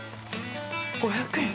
５００円！